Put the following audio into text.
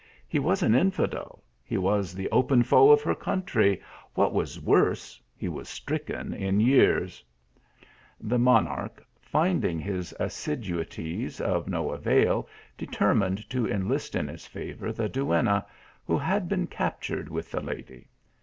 He was an infidel he was the open foe of her country what was worse, he was stricken in years ! The monarch finding his assiduities of no avail, determined to enlist in his favour the duenna, who had been captured with the lady.